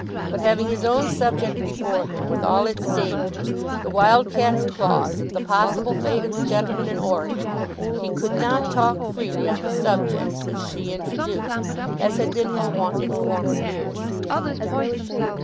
But having his own subject before him, with all its dangers, the wild cat's claws, and the possible fate of the gentleman in Oregon, he could not talk freely on the subjects which she introduced, as had been his wont in former years.